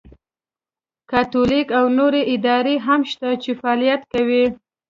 کاتولیک او نورې ادارې هم شته چې فعالیت کوي.